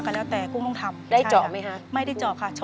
เปลี่ยนเพลงเพลงเก่งของคุณและข้ามผิดได้๑คำ